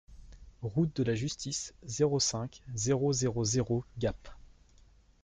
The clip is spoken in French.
Route de la Justice, zéro cinq, zéro zéro zéro Gap